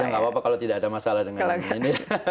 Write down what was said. tidak apa apa kalau tidak ada masalah dengan ini